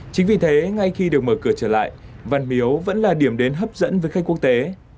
chính vì thế ngay khi được mở cửa trở lại văn miếu vẫn là điểm đến hấp dẫn với khách quốc tế